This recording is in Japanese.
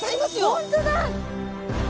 本当だ！